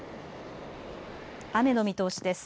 雨の見通しです。